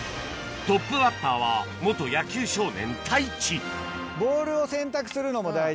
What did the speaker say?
トップバッターは野球少年太一ボールを選択するのも大事。